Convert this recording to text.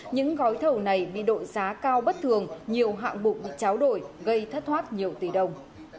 những gói thầu này bị đội giá cao bất thường nhiều hạng mục bị cháo đổi gây thất thoát nhiều tỷ đồng